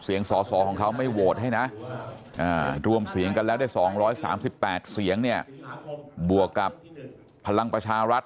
เสียงสอสอของเขาไม่โหวตให้นะรวมเสียงกันแล้วได้๒๓๘เสียงเนี่ยบวกกับพลังประชารัฐ